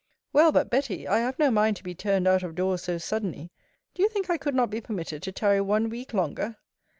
Well but, Betty, I have no mind to be turned out of doors so suddenly. Do you think I could not be permitted to tarry one week longer?